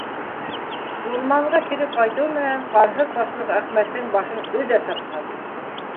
Урманға кире ҡайтыу менән ҡанһыҙ башлыҡ Әхмәттең башын өҙә сапҡан.